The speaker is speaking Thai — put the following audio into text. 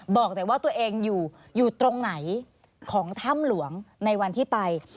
บอกแต่ว่าตัวเองอยู่อยู่ตรงไหนของถ้ำหลวงในวันที่ไป